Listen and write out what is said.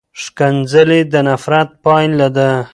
ښکنځلې د نفرت پایله ده.